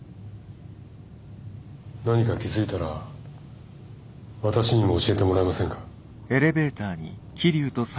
何か気付いたら私にも教えてもらえませんか？